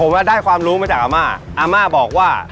ผมได้ความรู้มาจากอาม่าอาม่าบอกว่า